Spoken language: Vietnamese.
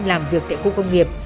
làm việc tại khu công nghiệp